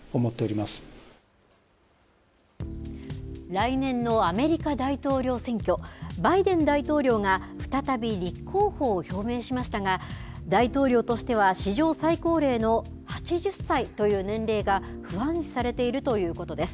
来年のアメリカ大統領選挙、バイデン大統領が再び、立候補を表明しましたが、大統領としては史上最高齢の８０歳という年齢が、不安視されているということです。